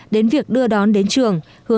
đến việc đưa đón đến trường